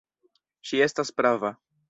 Ŝi estas prava.